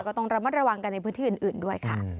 ก็ต้องระมัดระวังกันในพื้นที่อื่นด้วยค่ะ